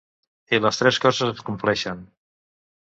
I les tres coses es compleixen.